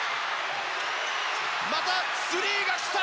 またスリーが来た。